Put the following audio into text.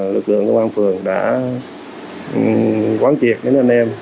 lực lượng công an phường đã quán triệt đến anh em